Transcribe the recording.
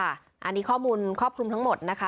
อันนี้ข้อมูลครอบคลุมทั้งหมดนะคะ